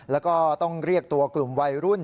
แล้วก็ต้องเรียกตัวกลุ่มวัยรุ่น